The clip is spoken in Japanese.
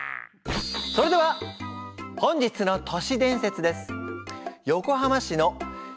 それでは本日の都市伝説です。